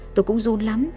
tôi cũng run lắm